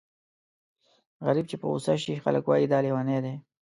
غريب چې په غوسه شي خلک وايي دا لېونی دی.